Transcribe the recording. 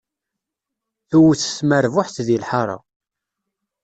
Tewwet tmerbuḥt di lḥaṛa.